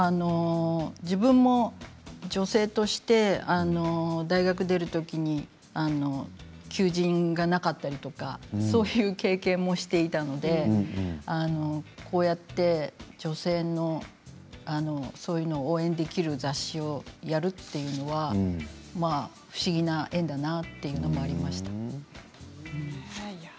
自分も女性として大学を出る時に求人がなかったりそういう経験もしていたのでこうやって女性のそういうのを応援できる雑誌をやるということは不思議な縁だなということがありました。